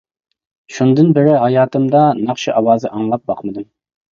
شۇندىن بېرى ھاياتىمدا ناخشا ئاۋازى ئاڭلاپ باقمىدىم.